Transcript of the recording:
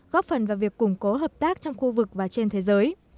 góp phần vào việc củng cố hợp tác trong khu vực và trên thế giới